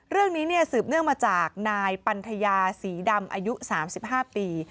เรื่องนี้สืบเนื่องมาจากนายปันทยาศรีดำอายุ๓๕ปี